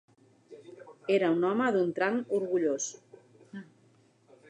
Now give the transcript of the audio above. Era un home d'un tranc orgullós.